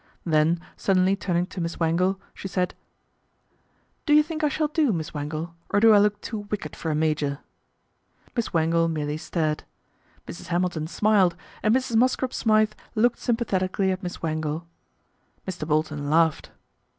Then suddenly turning to Miss Wangle, she said, " Do you think I shall do, Miss Wangle, or do I look too wicked for a major ?" Miss Wangle merely stared. Mrs. Hamilton smiled and Mrs. Mosscrop Smythe looked sym pathetically at Miss Wangle. Mr. Bolton laughed.